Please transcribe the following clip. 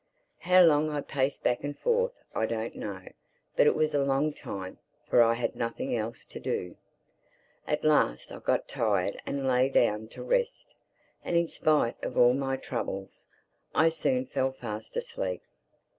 How long I paced back and forth I don't know. But it was a long time—for I had nothing else to do. At last I got tired and lay down to rest. And in spite of all my troubles, I soon fell fast asleep.